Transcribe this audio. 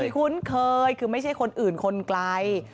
คุ้นเคยคือไม่ใช่คนอื่นคนไกล